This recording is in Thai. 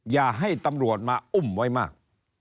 อย่าให้ตำรวจมาอุ้มไว้มาก